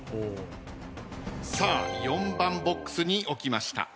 さあ４番ボックスに置きました。